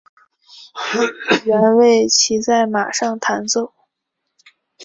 原为骑在马上弹奏。